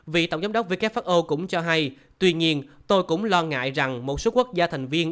vị tổng giám đốc who cũng cho hay tuy nhiên tôi cũng lo ngại rằng một số quốc gia thành viên